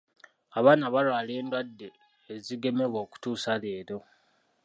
Abaana balwala endwadde ezigemebwa okutuusa leero.